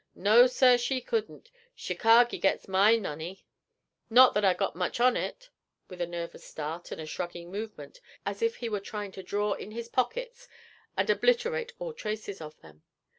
No, sir, she couldn't. Chicargo gits my money not that I've got much on it,' with a nervous start and a shrugging movement as if he were trying to draw in his pockets and obliterate all traces of them.